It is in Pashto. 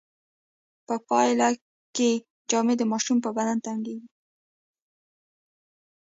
په پایله کې جامې د ماشوم په بدن تنګیږي.